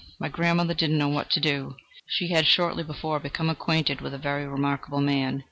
My grandmother did not know what to do. She had shortly before become acquainted with a very remarkable man.